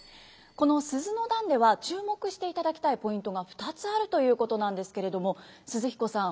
この「鈴の段」では注目していただきたいポイントが２つあるということなんですけれども寿々彦さん